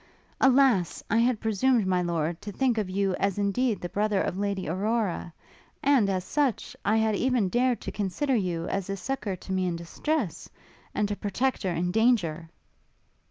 Alas! I had presumed, my lord, to think of you as indeed the brother of Lady Aurora; and, as such, I had even dared to consider you as a succour to me in distress, and a protector in danger!'